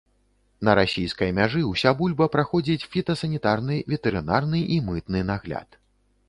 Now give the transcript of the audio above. На расійскай мяжы ўся бульба праходзіць фітасанітарны, ветэрынарны і мытны нагляд.